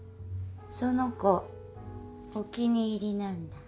その子お気に入りなんだ。